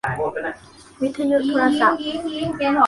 วิทยุโทรศัพท์